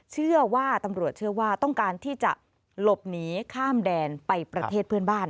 เชื่อว่าตำรวจเชื่อว่าต้องการที่จะหลบหนีข้ามแดนไปประเทศเพื่อนบ้าน